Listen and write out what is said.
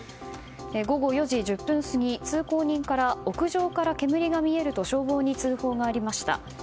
午後４時１０分過ぎ通行人から屋上から煙が見えると消防に通報がありました。